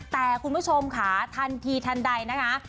แต่คุณผู้ชมค่ะทันทีทันใดนะคะ